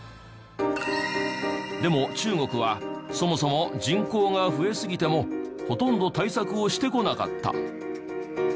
でも中国はそもそも人口が増えすぎてもほとんど対策をしてこなかった。